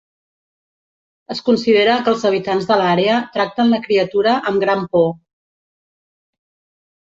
Es considera que els habitants de l'àrea tracten la criatura amb gran por.